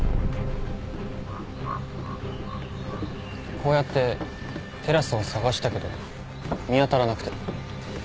こうやってテラスを捜したけど見当たらなくて。